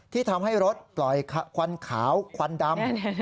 ที่ทำให้รถปล่อยควันขาวควันดำ